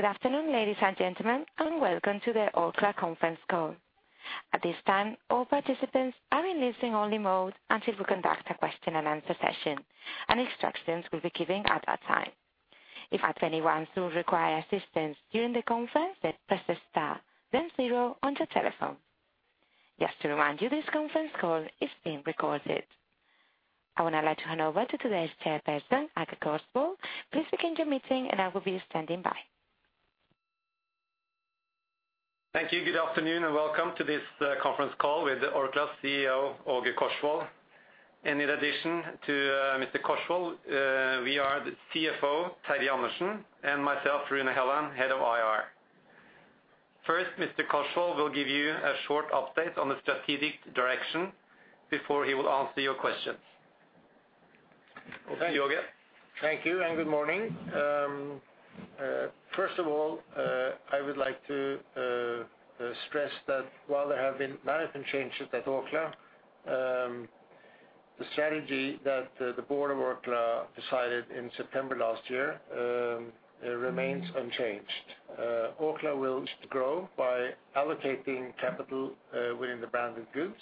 Good afternoon, ladies and gentlemen, and welcome to the Orkla conference call. At this time, all participants are in listen-only mode until we conduct a question and answer session, and instructions will be given at that time. If at anyone do require assistance during the conference, press star then zero on your telephone. Just to remind you, this conference call is being recorded. I would now like to hand over to today's chairperson, Åge Korsvold. Please begin your meeting, and I will be standing by. Thank you. Good afternoon, welcome to this conference call with Orkla's CEO, Åge Korsvold. In addition to Mr. Korsvold, we are the CFO, Terje Andersen, and myself, Rune Helland, Head of IR. First, Mr. Korsvold will give you a short update on the strategic direction before he will answer your questions. Over to you, Åge. Thank you, and good morning. First of all, I would like to stress that while there have been management changes at Orkla, the strategy that the board of Orkla decided in September last year, remains unchanged. Orkla will grow by allocating capital within the branded goods,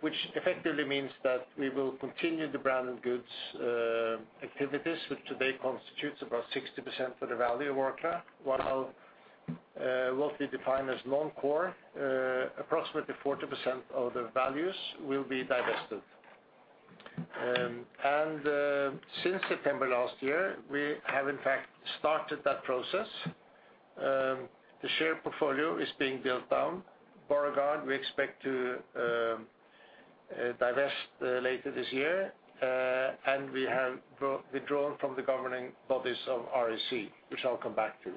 which effectively means that we will continue the branded goods activities, which today constitutes about 60% of the value of Orkla, while what we define as non-core, approximately 40% of the values will be divested. Since September last year, we have in fact started that process. The share portfolio is being built down. Borregaard, we expect to divest later this year, and we have withdrawn from the governing bodies of REC, which I'll come back to.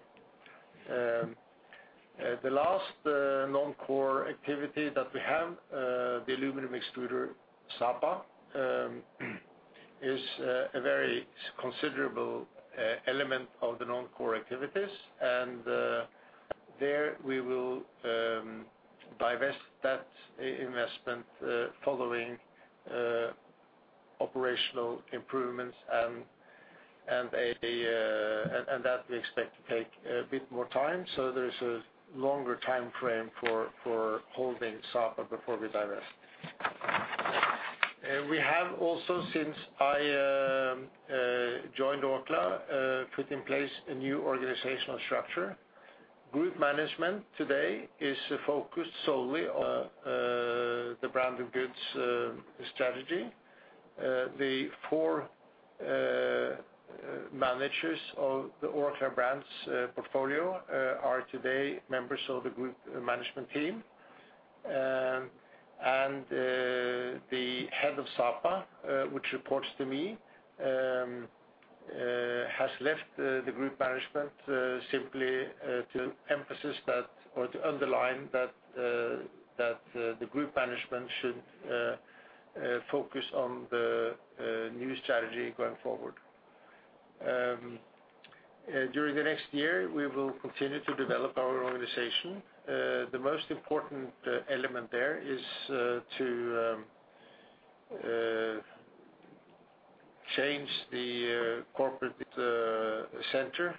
The last non-core activity that we have, the aluminum extruder, Sapa, is a very considerable element of the non-core activities, there we will divest that investment following operational improvements and that we expect to take a bit more time, so there's a longer time frame for holding Sapa before we divest. We have also, since I joined Orkla, put in place a new organizational structure. Group management today is focused solely on the branded goods strategy. The four managers of the Orkla brands portfolio are today members of the group management team. The head of Sapa, which reports to me, has left the group management simply to emphasize that or to underline that the group management should focus on the new strategy going forward. During the next year, we will continue to develop our organization. The most important element there is to change the corporate center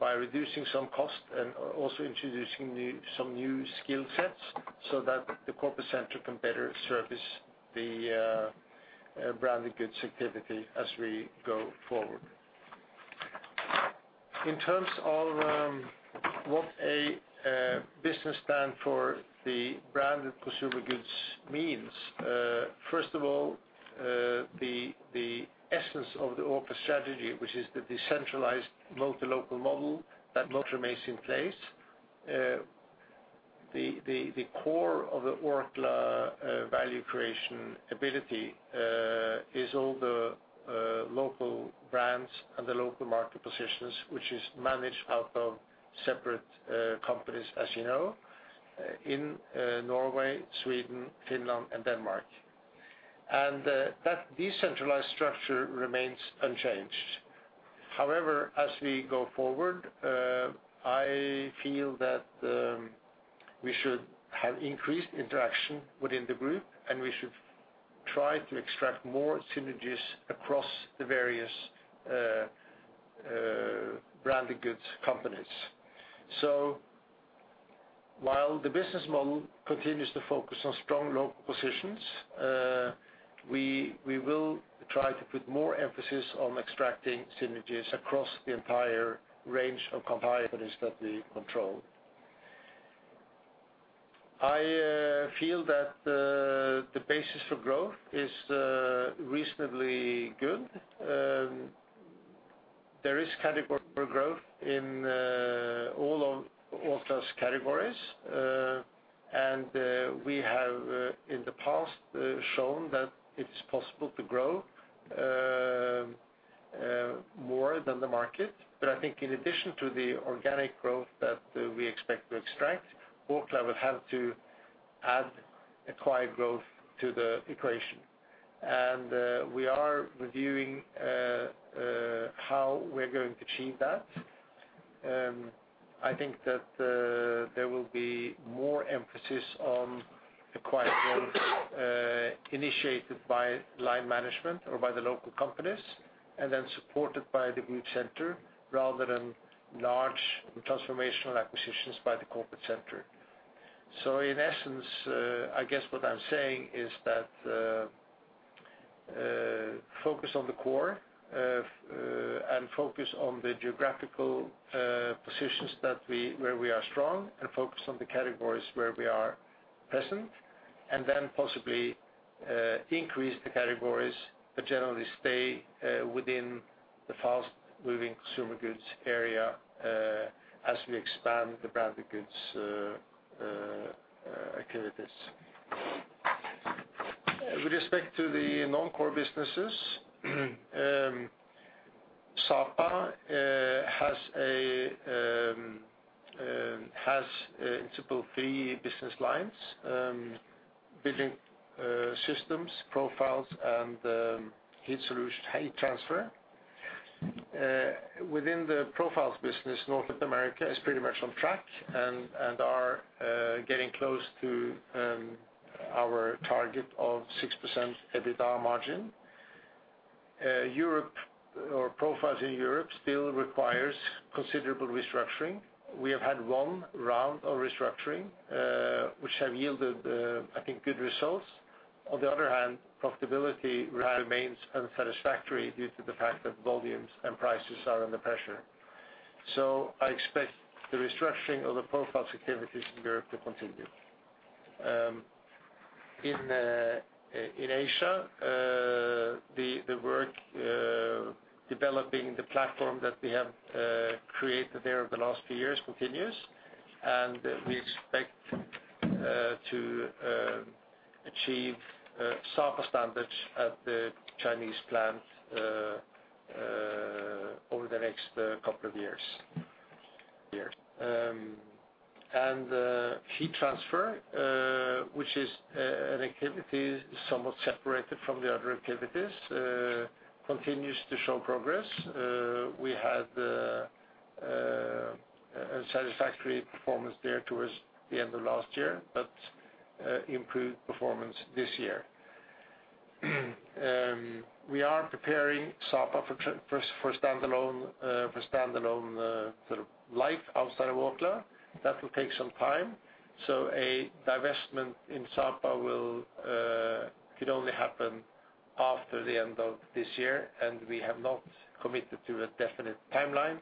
by reducing some costs and also introducing some new skill sets so that the corporate center can better service the branded goods activity as we go forward. In terms of what a business stand for the branded consumer goods means, first of all, the essence of the Orkla strategy, which is the decentralized multi-local model, that model remains in place. The core of the Orkla value creation ability is all the local brands and the local market positions, which is managed out of separate companies, as you know, in Norway, Sweden, Finland, and Denmark. That decentralized structure remains unchanged. However, as we go forward, I feel that we should have increased interaction within the group, and we should try to extract more synergies across the various branded goods companies. While the business model continues to focus on strong local positions, we will try to put more emphasis on extracting synergies across the entire range of companies that we control. I feel that the basis for growth is reasonably good. There is category for growth in all of Orkla's categories, and we have in the past shown that it is possible to grow more than the market. I think in addition to the organic growth that we expect to extract, Orkla will have to add acquired growth to the equation. We are reviewing how we're going to achieve that. I think that there will be more emphasis on acquisitions initiated by line management or by the local companies, and then supported by the group center, rather than large transformational acquisitions by the corporate center. In essence, I guess what I'm saying is that focus on the core, and focus on the geographical positions where we are strong, and focus on the categories where we are present, and then possibly increase the categories, but generally stay within the fast-moving consumer goods area, as we expand the branded goods activities. With respect to the non-core businesses, Sapa has basically three business lines: building systems, profiles, and heat transfer. Within the profiles business, North America is pretty much on track and are getting close to our target of 6% EBITDA margin. Europe or profiles in Europe still requires considerable restructuring. We have had one round of restructuring, which have yielded, I think, good results. On the other hand, profitability remains unsatisfactory due to the fact that volumes and prices are under pressure. I expect the restructuring of the profiles activities in Europe to continue. In Asia, the work, developing the platform that we have, created there over the last few years continues, and we expect to achieve Sapa standards at the Chinese plant over the next couple of years. Heat transfer, which is an activity somewhat separated from the other activities, continues to show progress. We had a satisfactory performance there towards the end of last year, but improved performance this year. We are preparing Sapa for standalone sort of life outside of Orkla. That will take some time, so a divestment in Sapa will could only happen after the end of this year, and we have not committed to a definite timeline.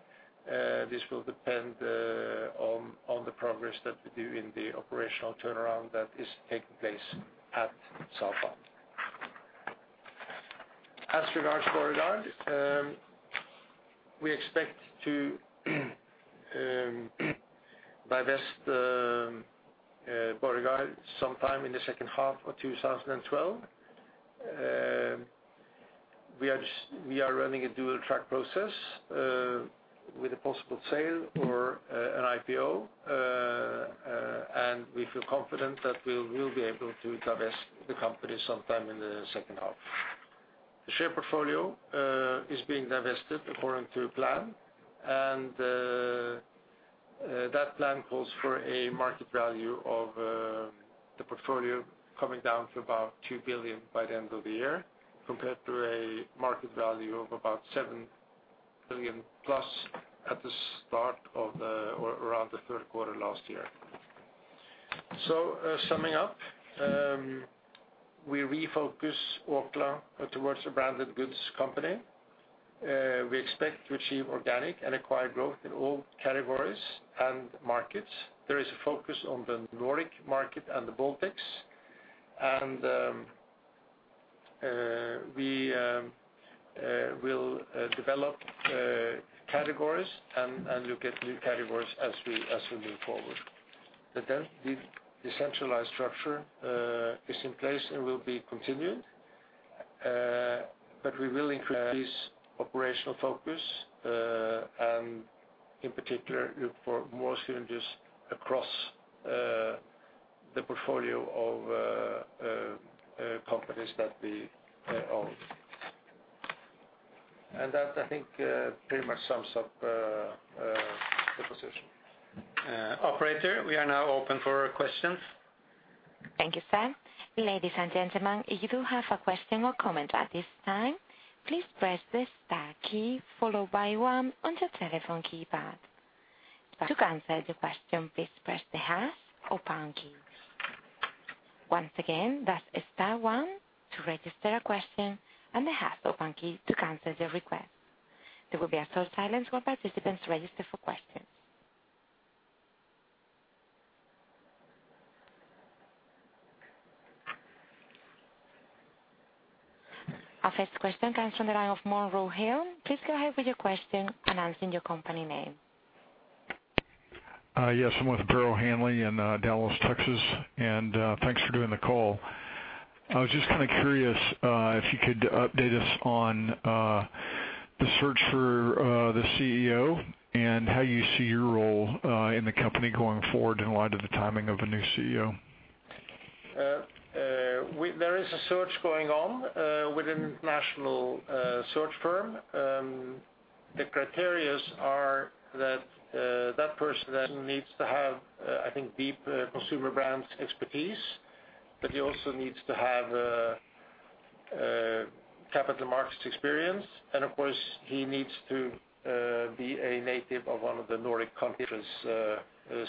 This will depend on the progress that we do in the operational turnaround that is taking place at Sapa. As regards Borregaard, we expect to divest Borregaard sometime in the second half of 2012. We are running a dual track process with a possible sale or an IPO, and we feel confident that we will be able to divest the company sometime in the second half. The share portfolio is being divested according to plan, and that plan calls for a market value of the portfolio coming down to about 2 billion by the end of the year, compared to a market value of about 7 billion+ at the start of the, or around the third quarter last year. Summing up, we refocused Orkla towards a branded goods company. We expect to achieve organic and acquired growth in all categories and markets. There is a focus on the Nordic market and the Baltics, and we will develop categories and look at new categories as we move forward. The centralized structure is in place and will be continued, but we will increase operational focus and in particular, look for more synergies across the portfolio of companies that we own. I think, pretty much sums up the position. Operator, we are now open for questions. Thank you, sir. Ladies and gentlemen, if you do have a question or comment at this time, please press the star key, followed by one on your telephone keypad. To cancel the question, please press the hash or pound key. Once again, that's star one to register a question and the hash or pound key to cancel your request. There will be a short silence while participants register for questions. Our first question comes from the line of Monroe Helm. Please go ahead with your question announcing your company name. Yes, I'm with Barrow Hanley in Dallas, Texas, and thanks for doing the call. I was just kind of curious if you could update us on the search for the CEO and how you see your role in the company going forward in light of the timing of a new CEO? There is a search going on with an international search firm. The criterias are that that person needs to have, I think, deep consumer brands expertise, but he also needs to have capital markets experience. Of course, he needs to be a native of one of the Nordic countries,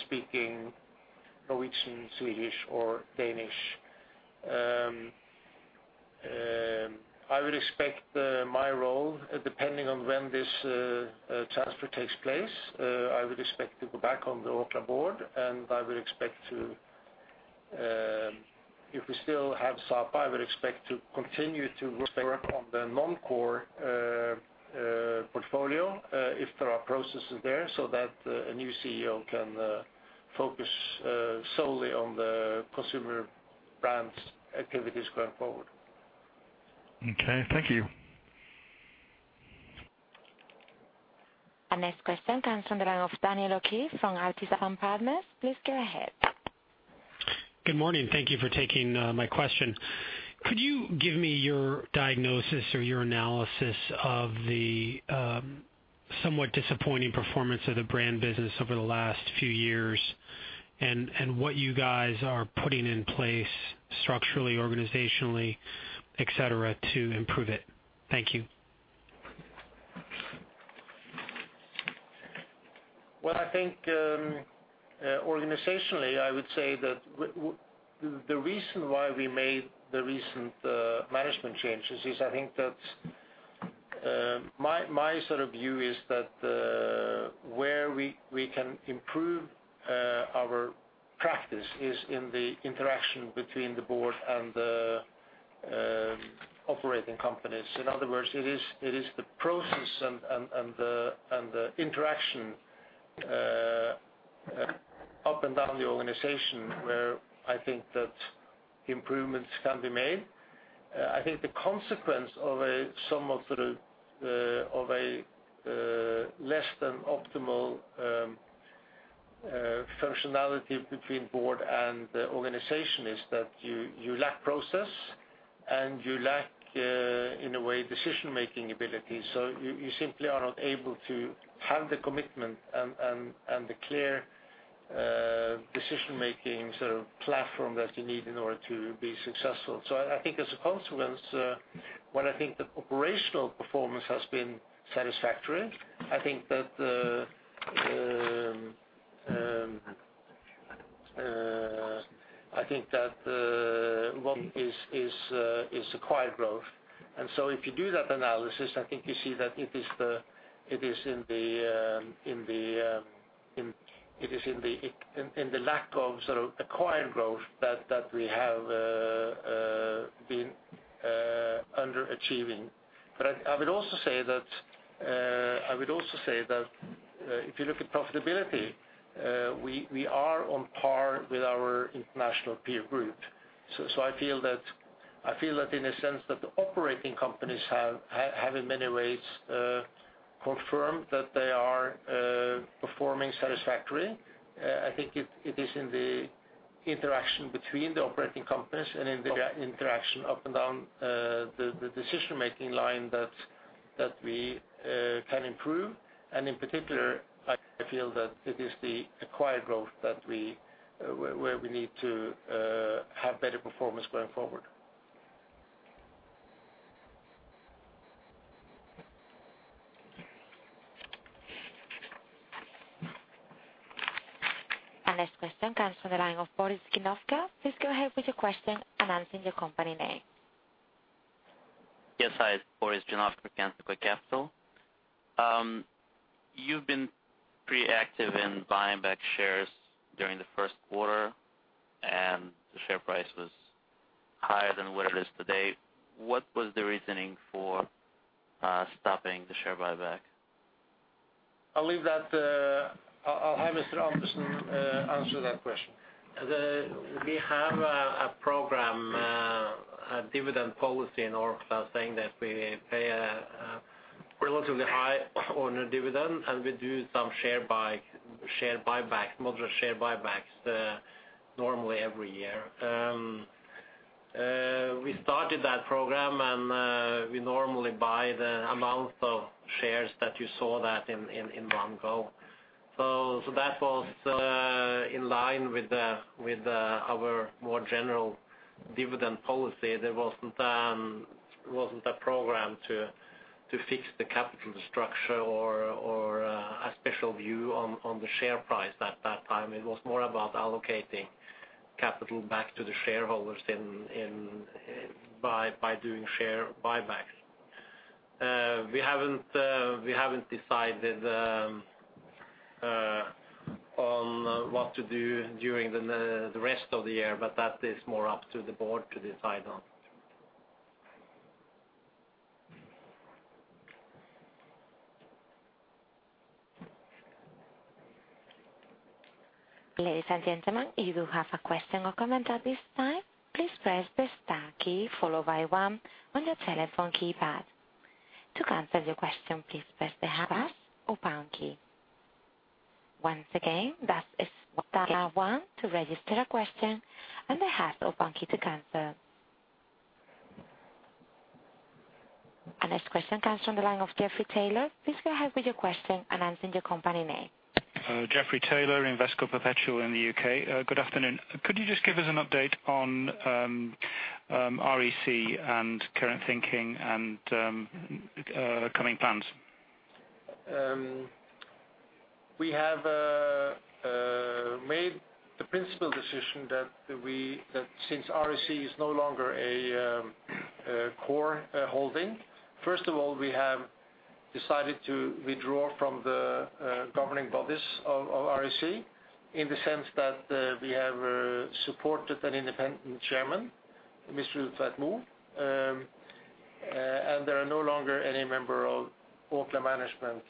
speaking Norwegian, Swedish, or Danish. I would expect my role, depending on when this transfer takes place, I would expect to go back on the Orkla board, and I would expect to, if we still have Sapa, I would expect to continue to work on the non-core portfolio, if there are processes there, so that a new CEO can focus solely on the consumer brands activities going forward. Okay, thank you. Our next question comes from the line of Daniel O'Keefe from Artisan Partners. Please go ahead. Good morning. Thank you for taking my question. Could you give me your diagnosis or your analysis of the somewhat disappointing performance of the brand business over the last few years, and what you guys are putting in place structurally, organizationally, et cetera, to improve it? Thank you. Well, I think, organizationally, I would say that the reason why we made the recent management changes is I think that my sort of view is that where we can improve our practice is in the interaction between the board and the operating companies. In other words, it is the process and the interaction up and down the organization where I think that improvements can be made. I think the consequence of a somewhat, sort of a, less than optimal, functionality between board and the organization is that you lack process, and you lack, in a way, decision-making ability, so you simply are not able to have the commitment and the clear, decision-making sort of platform that you need in order to be successful. I think as a consequence, when I think the operational performance has been satisfactory, I think that the, one is acquired growth. If you do that analysis, I think you see that it is in the lack of sort of acquired growth that we have, been, underachieving. I would also say that if you look at profitability, we are on par with our international peer group. I feel that in a sense, that the operating companies have, in many ways, confirmed that they are performing satisfactory. I think it is in the interaction between the operating companies and in the interaction up and down the decision-making line that we can improve. In particular, I feel that it is the acquired growth that we where we need to have better performance going forward. Our next question comes from the line of Boris Jinovka. Please go ahead with your question, announcing your company name. Yes, hi, it's Boris Jinovka with Otkritie Capital. You've been pretty active in buying back shares during the first quarter, and the share price was higher than what it is today. What was the reasoning for stopping the share buyback? I'll leave that. I'll have Mr. Andresen answer that question. We have a program, a dividend policy in Orkla saying that we pay a relatively high owner dividend, and we do some share buybacks, moderate share buybacks, normally every year. We started that program, and we normally buy the amount of shares that you saw that in one go. That was in line with our more general dividend policy. There wasn't a program to fix the capital structure or a special view on the share price at that time. It was more about allocating capital back to the shareholders by doing share buybacks. We haven't decided, on what to do during the rest of the year. That is more up to the board to decide on. Ladies and gentlemen, if you have a question or comment at this time, please press the star key, followed by one on your telephone keypad. To cancel your question, please press the hash or pound key. Once again, that is star one to register a question and the hash or one key to cancel. Our next question comes from the line of Jeffrey Taylor. Please go ahead with your question announcing your company name. Jeffrey Taylor, Invesco Perpetual in the U.K. Good afternoon. Could you just give us an update on REC and current thinking and coming plans? We have made the principal decision that since REC is no longer a core holding, first of all, we have decided to withdraw from the governing bodies of REC, in the sense that we have supported an independent chairman, Mr. [Thak Moo]. There are no longer any member of Orkla management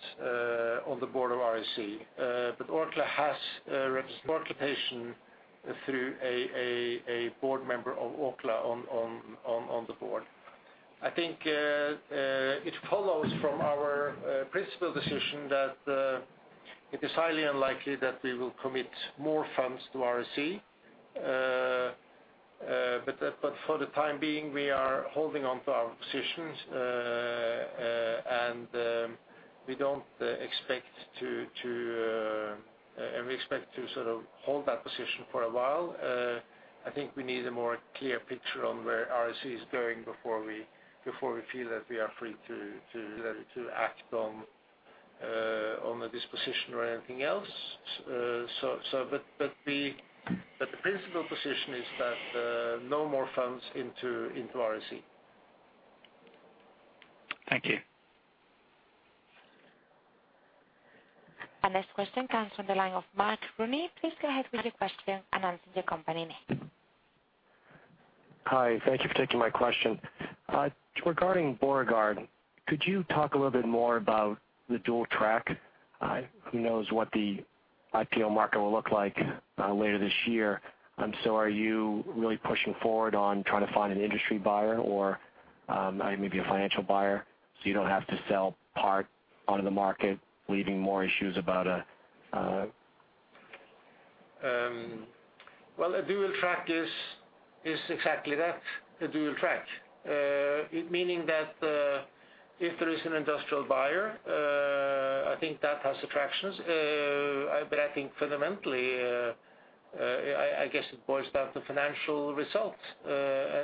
on the board of REC. Orkla has a representation through a board member of Orkla on the board. I think it follows from our principal decision that it is highly unlikely that we will commit more funds to REC. For the time being, we are holding on to our positions and we don't expect to and we expect to sort of hold that position for a while. I think we need a more clear picture on where REC is going before we feel that we are free to act on a disposition or anything else. The principal position is that no more funds into REC. Thank you. Our next question comes from the line of Mark Rooney. Please go ahead with your question announcing your company name. Hi, thank you for taking my question. Regarding Borregaard, could you talk a little bit more about the dual track? Who knows what the IPO market will look like later this year. Are you really pushing forward on trying to find an industry buyer or, maybe a financial buyer, so you don't have to sell part on the market, leaving more issues about. Well, a dual track is exactly that, a dual track. It meaning that, if there is an industrial buyer, I think that has attractions. I think fundamentally, I guess it boils down to financial results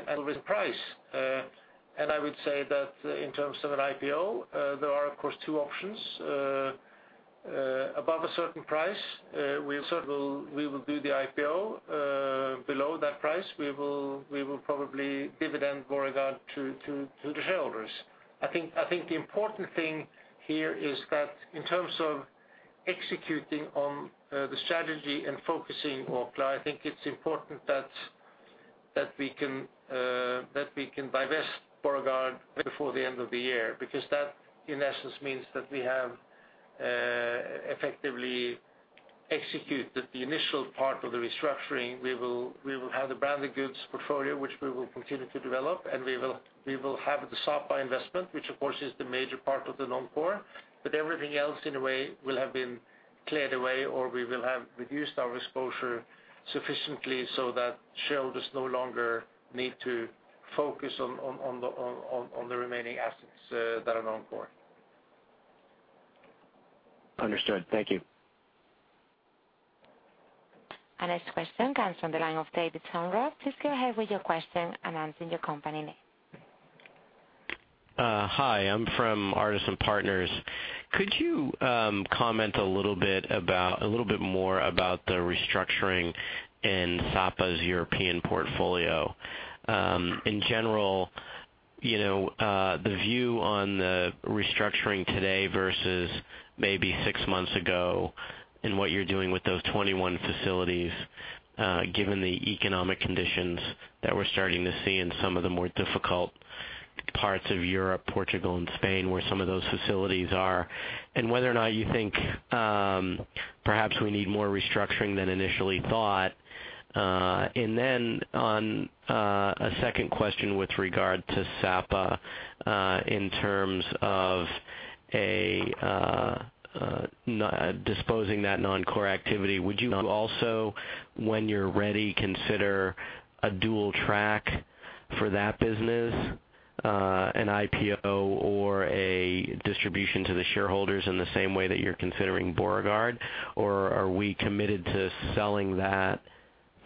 and with price. I would say that in terms of an IPO, there are, of course, two options. Above a certain price, we will do the IPO. Below that price, we will probably dividend Borregaard to the shareholders. I think the important thing here is that in terms of executing on the strategy and focusing Orkla, I think it's important that we can divest Borregaard before the end of the year, because that, in essence, means that we have effectively executed the initial part of the restructuring. We will have the branded goods portfolio, which we will continue to develop, and we will have the Sapa investment, which of course, is the major part of the non-core. Everything else, in a way, will have been cleared away, or we will have reduced our exposure sufficiently so that shareholders no longer need to focus on the remaining assets that are non-core. Understood. Thank you. Our next question comes from the line of David Samra. Please go ahead with your question announcing your company name. Hi, I'm from Artisan Partners. Could you comment a little bit more about the restructuring in Sapa's European portfolio? In general, you know, the view on the restructuring today versus maybe six months ago, and what you're doing with those 21 facilities, given the economic conditions that we're starting to see in some of the more difficult parts of Europe, Portugal and Spain, where some of those facilities are, and whether or not you think perhaps we need more restructuring than initially thought. On a second question with regard to Sapa, in terms of disposing that non-core activity, would you also, when you're ready, consider a dual track for that business, an IPO or a distribution to the shareholders in the same way that you're considering Borregaard? Are we committed to selling that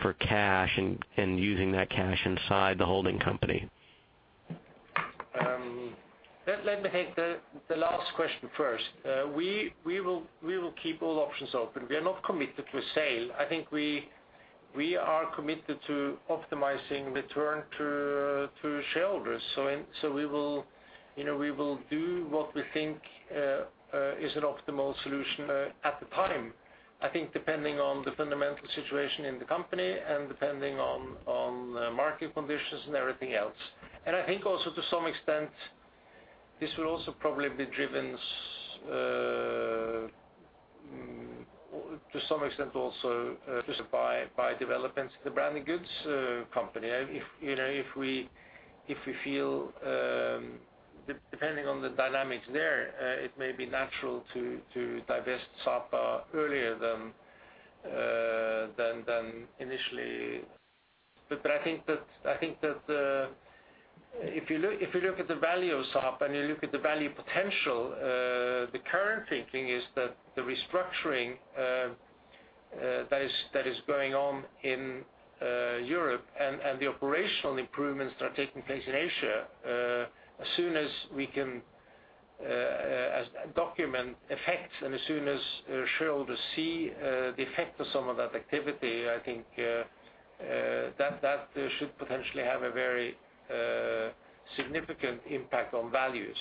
for cash and using that cash inside the holding company? Let me take the last question first. We will keep all options open. We are not committed to a sale. I think we are committed to optimizing return to shareholders. We will, you know, we will do what we think is an optimal solution at the time. I think, depending on the fundamental situation in the company and depending on the market conditions and everything else. I think also to some extent, this will also probably be driven to some extent, also, just by developments in the branded goods company. If, you know, if we feel, depending on the dynamics there, it may be natural to divest Sapa earlier than initially. I think that, if you look at the value of Sapa, and you look at the value potential, the current thinking is that the restructuring, that is going on in Europe and the operational improvements that are taking place in Asia, as soon as we can document effects, and as soon as shareholders see, the effect of some of that activity, I think, that should potentially have a very significant impact on values.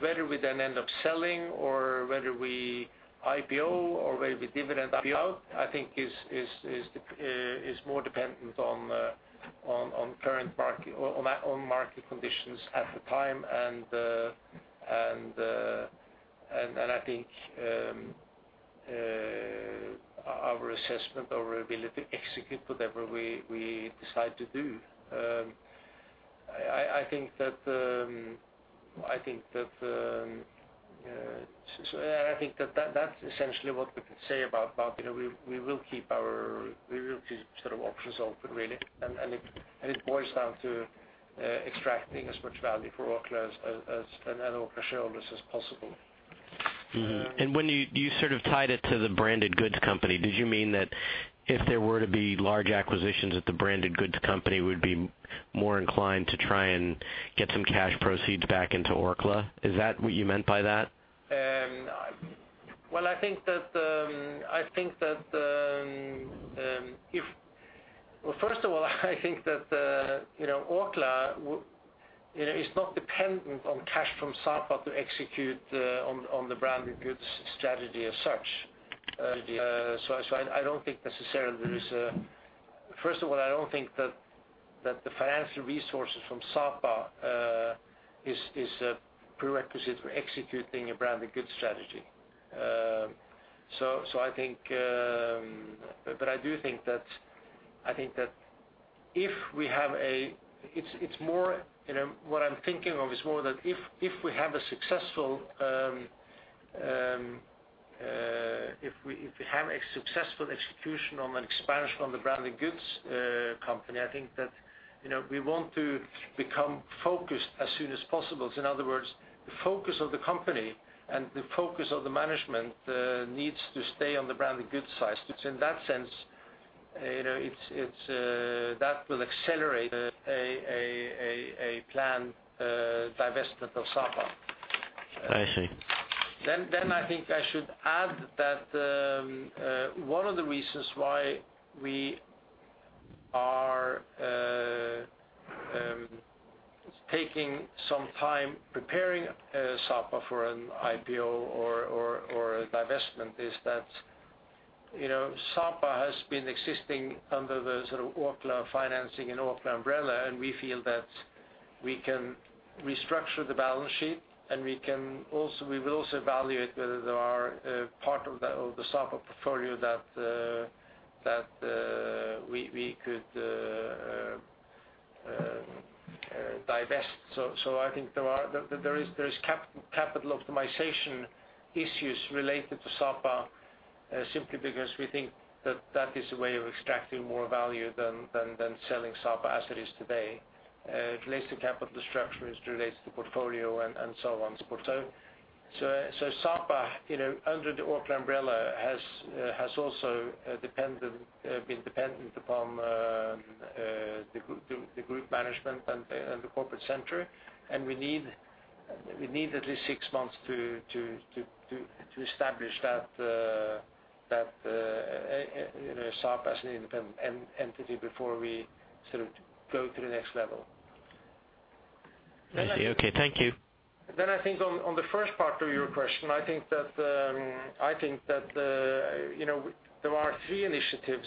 Whether we then end up selling or whether we IPO or whether we dividend up, I think is more dependent on current market or on market conditions at the time, and I think, our assessment, our ability to execute whatever we decide to do. I think that, so I think that's essentially what we can say about, you know, we will keep sort of options open, really, and it, and it boils down to extracting as much value for Orkla as and other shareholders as possible. When you sort of tied it to the branded goods company, did you mean that if there were to be large acquisitions that the branded goods company would be more inclined to try and get some cash proceeds back into Orkla? Is that what you meant by that? Well, first of all, I think that, you know, Orkla, you know, is not dependent on cash from Sapa to execute on the branded goods strategy as such. First of all, I don't think that the financial resources from Sapa is a prerequisite for executing a branded goods strategy. I think, but I do think that, I think that it's more, you know, what I'm thinking of is more that if we have a successful execution on the expansion on the branded goods company, I think that, you know, we want to become focused as soon as possible. In other words, the focus of the company and the focus of the management needs to stay on the branded goods side. In that sense, you know, it's, that will accelerate a plan, divestment of Sapa. I see. I think I should add that one of the reasons why we are taking some time preparing Sapa for an IPO or a divestment is that, you know, Sapa has been existing under the sort of Orkla financing and Orkla umbrella, and we feel that we can restructure the balance sheet, and we will also evaluate whether there are part of the Sapa portfolio that we could divest. I think there are capital optimization issues related to Sapa, simply because we think that that is a way of extracting more value than selling Sapa as it is today, relates to capital structure, it relates to portfolio and so on, so forth. Sapa, you know, under the Orkla umbrella, has also dependent been dependent upon the group management and the corporate center, and we need at least six months to establish that, you know, Sapa as an independent entity before we sort of go to the next level. I see. Okay, thank you. I think on the first part of your question, I think that, I think that, you know, there are three initiatives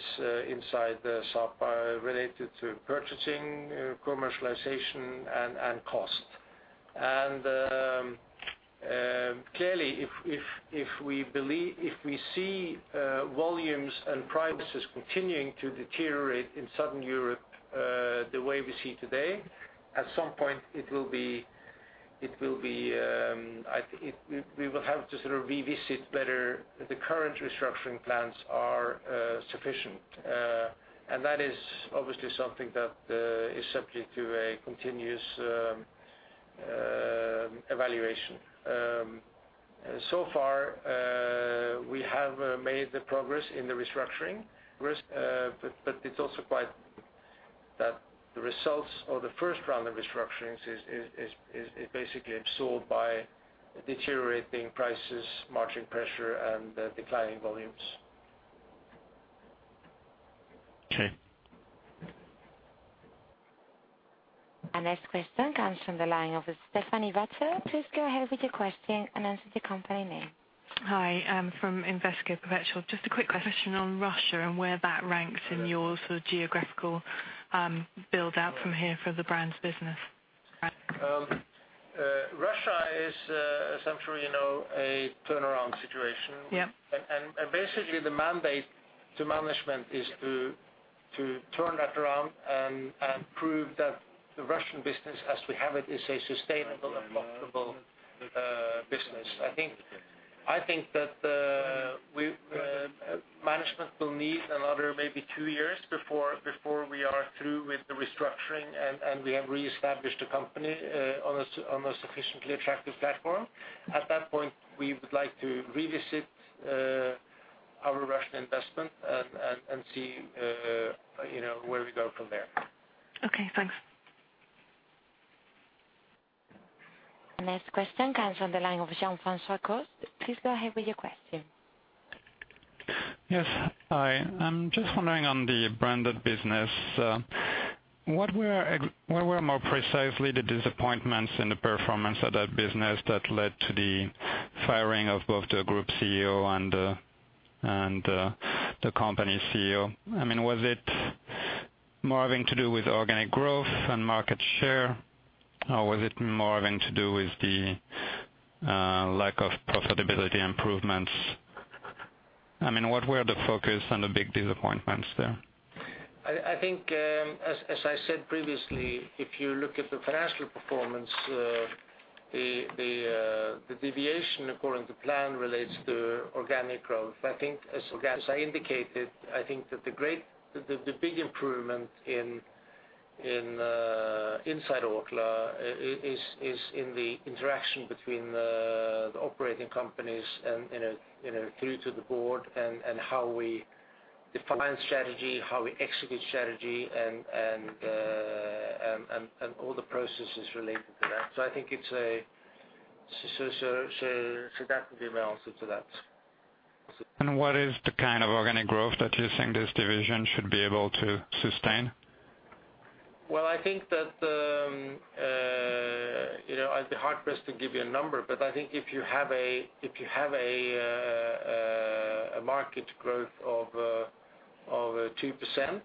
inside the Sapa related to purchasing, commercialization, and cost. Clearly, if we see volumes and prices continuing to deteriorate in Southern Europe, the way we see today, at some point, it will be, I think we will have to sort of revisit whether the current restructuring plans are sufficient. And that is obviously something that is subject to a continuous evaluation. So far, we have made the progress in the restructuring. Rest, but it's also quite that the results or the first round of restructurings is basically absorbed by deteriorating prices, margin pressure, and declining volumes. Okay. Our next question comes from the line of Stephanie [Vacher]. Please go ahead with your question and answer the company name. Hi, I'm from Investec Commercial. Just a quick question on Russia and where that ranks in your sort of geographical build-out from here for the brands business. Russia is, as I'm sure you know, a turnaround situation. Yeah. Basically, the mandate to management is to turn that around and prove that the Russian business, as we have it, is a sustainable and profitable business. I think that the we management will need another maybe two years before we are through with the restructuring, and we have reestablished the company on a sufficiently attractive platform. At that point, we would like to revisit our Russian investment and see, you know, where we go from there. Okay, thanks. Next question comes on the line of Jean-Francois Cote. Please go ahead with your question. Yes. Hi. I'm just wondering on the branded business, what were where were more precisely the disappointments in the performance of that business that led to the firing of both the group CEO and the company CEO? I mean, was it more having to do with organic growth and market share, or was it more having to do with the lack of profitability improvements? I mean, what were the focus and the big disappointments there? I think as I said previously, if you look at the financial performance, the deviation according to plan relates to organic growth. I think as I indicated, I think that the big improvement in inside Orkla is in the interaction between the operating companies and, you know, through to the board, and how we define strategy, how we execute strategy, and all the processes related to that. I think it's a so that would be my answer to that. What is the kind of organic growth that you think this division should be able to sustain? I think that, you know, I'd be hard-pressed to give you a number, but I think if you have a, if you have a market growth of 2%,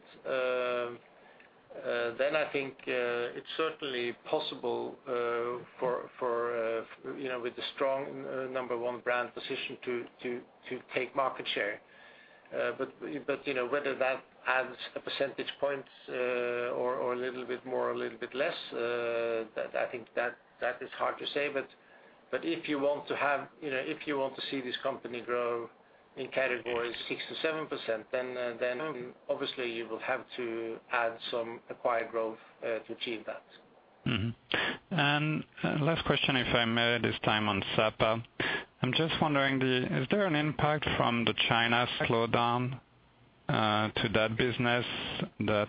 then I think it's certainly possible for, you know, with the strong number one brand position to take market share. You know, whether that adds a percentage point, or a little bit more, a little bit less, that I think that is hard to say. If you want to have, you know, if you want to see this company grow in categories 6%-7%, then obviously you will have to add some acquired growth to achieve that. Last question, if I may, this time on Sapa. I'm just wondering, is there an impact from the China slowdown to that business that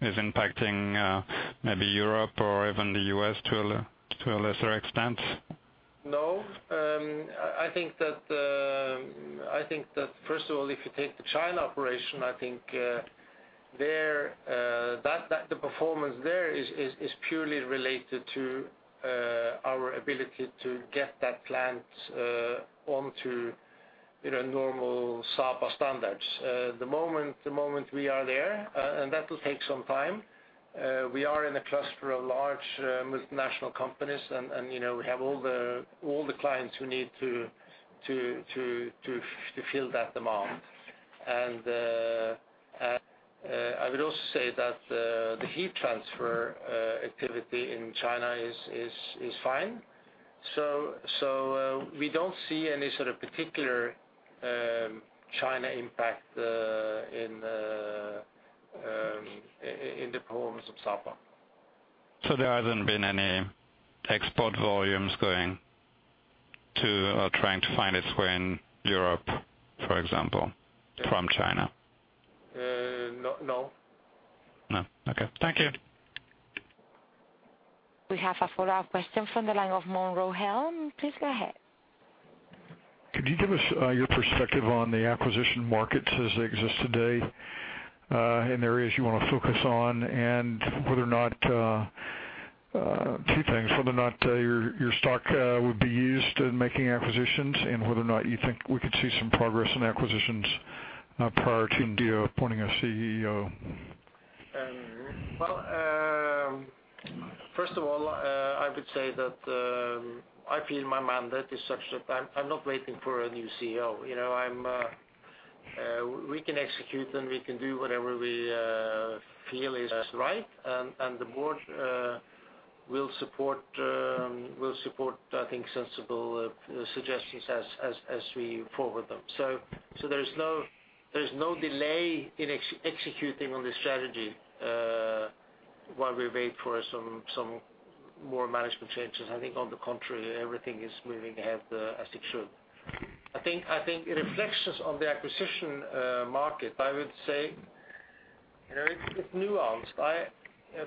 is impacting maybe Europe or even the U.S. to a lesser extent? No. I think that first of all, if you take the China operation, I think, there, that the performance there is purely related to our ability to get that plant, onto, you know, normal Sapa standards. The moment we are there, and that will take some time, we are in a cluster of large, multinational companies, and, you know, we have all the clients who need to fill that demand. I would also say that the heat transfer activity in China is fine. We don't see any sort of particular, China impact, in the performance of Sapa. There hasn't been any export volumes going to or trying to find its way in Europe, for example, from China? No, no. No. Okay. Thank you. We have a follow-up question from the line of Monroe Helm. Please go ahead. Could you give us your perspective on the acquisition markets as they exist today, and areas you want to focus on, and whether or not, two things, whether or not your stock would be used in making acquisitions, and whether or not you think we could see some progress in acquisitions prior to appointing a CEO? First of all, I would say that I feel my mandate is such that I'm not waiting for a new CEO. You know, I'm, we can execute, and we can do whatever we feel is right, and the board will support, I think, sensible suggestions as we forward them. There's no delay in executing on this strategy while we wait for some more management changes. I think on the contrary, everything is moving ahead as it should. I think it reflections on the acquisition market, I would say, you know, it's nuanced.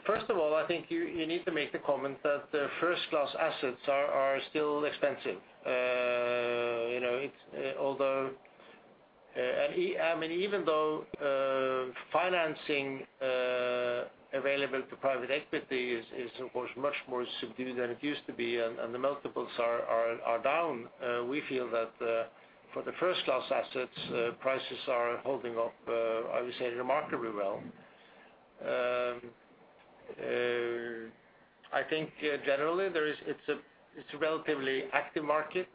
First of all, I think you need to make the comment that the first-class assets are still expensive. You know, it's. Although, I mean, even though, financing available to private equity is of course much more subdued than it used to be, and the multiples are down, we feel that for the first-class assets, prices are holding up, I would say, remarkably well. I think, generally there is, it's a, it's a relatively active market,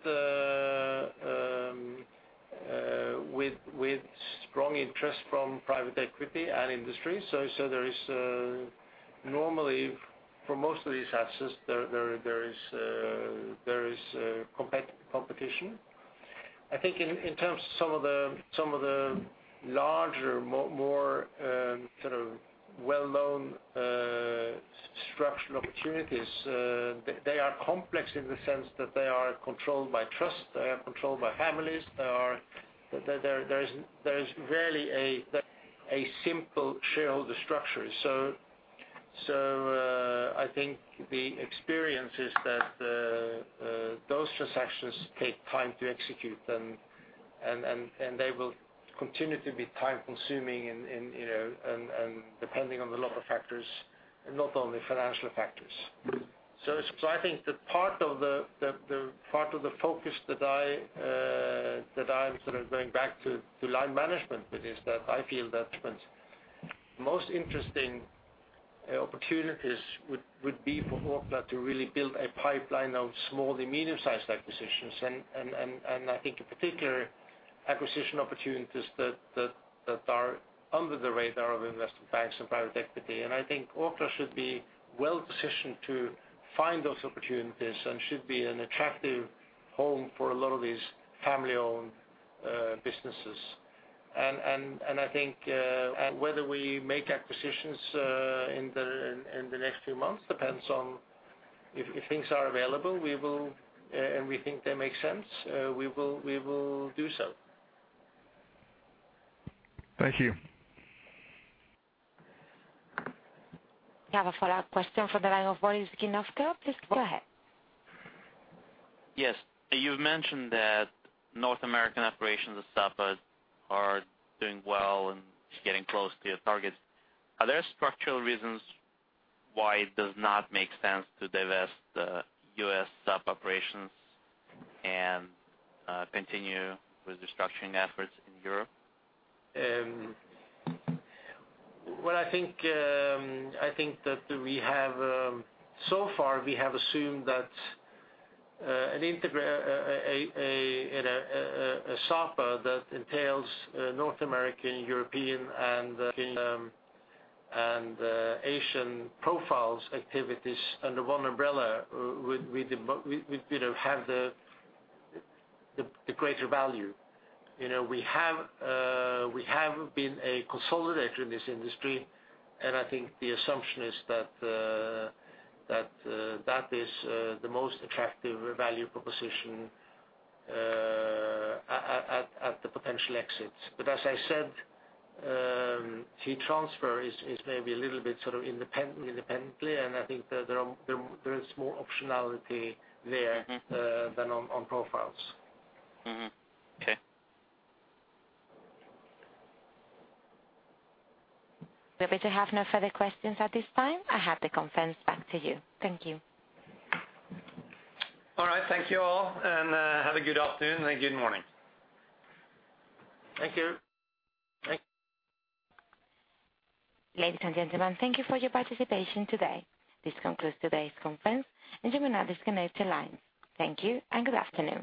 with strong interest from private equity and industry. There is, normally for most of these assets, there is competition. I think in terms of some of the larger, more, sort of well-known, structural opportunities, they are complex in the sense that they are controlled by trust, they are controlled by families. There's rarely a simple shareholder structure. I think the experience is that those transactions take time to execute and they will continue to be time-consuming and, you know, and depending on the lot of factors, not only financial factors. I think the part of the focus that I'm sort of going back to line management with is that I feel that the most interesting opportunities would be for Orkla to really build a pipeline of small and medium-sized acquisitions. I think in particular, acquisition opportunities that are under the radar of investment banks and private equity. I think Orkla should be well positioned to find those opportunities and should be an attractive home for a lot of these family-owned businesses. I think, whether we make acquisitions in the next few months, depends on if things are available, we will, and we think they make sense, we will do so. Thank you. We have a follow-up question from the line of Boris Ginovska. Please go ahead. Yes. You've mentioned that North American operations of Sapa are doing well and getting close to your targets. Are there structural reasons why it does not make sense to divest the U.S. Sapa operations and continue with the structuring efforts in Europe? What I think, I think that we have, so far, we have assumed that a Sapa that entails North American, European, and Asian profiles, activities under one umbrella, would we, you know, have the greater value. You know, we have, we have been a consolidator in this industry, and I think the assumption is that that is the most attractive value proposition at the potential exits. As I said, heat transfer is maybe a little bit sort of independently, and I think that there are, there is more optionality there than on profiles. Mm-hmm. Okay. We appear to have no further questions at this time. I hand the conference back to you. Thank you. All right. Thank you all, and, have a good afternoon, and good morning. Thank you. Thank you. Ladies and gentlemen, thank you for your participation today. This concludes today's conference, and you may now disconnect your lines. Thank you, and good afternoon.